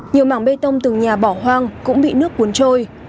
nhiều mảng bê tông từng nhà bỏ hoang cũng bị nước cuốn trôi